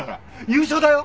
優勝だよ！